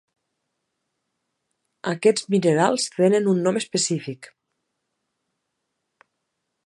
Aquests minerals tenen un nom específic.